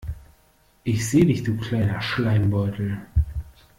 Ich seh dich du kleiner Schleimbeutel.